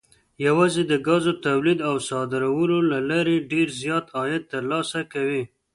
یوازې د ګازو تولید او صادرولو له لارې ډېر زیات عاید ترلاسه کوي.